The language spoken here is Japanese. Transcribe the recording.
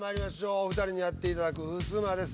お二人にやっていただくふすまです。